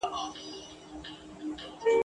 انګرېزان د ایوب خان په هوښیارۍ نه پوهېدل.